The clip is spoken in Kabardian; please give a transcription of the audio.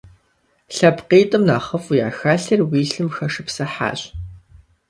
ЛъэпкъитӀым нэхъыфӀу яхэлъыр уи лъым хэшыпсыхьащ.